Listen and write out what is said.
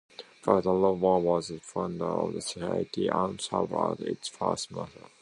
Father Lowder was the founder of the society and served as its first master.